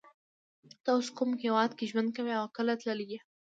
ته اوس کوم هیواد کی ژوند کوی او کله تللی یی